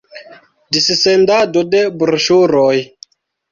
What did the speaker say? Dissendado de broŝuroj.